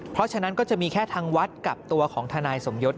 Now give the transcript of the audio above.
เพราะฉะนั้นก็จะมีแค่ทางวัดกับตัวของทนายสมยศ